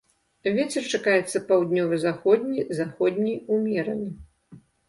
Вецер чакаецца паўднёва-заходні, заходні ўмераны.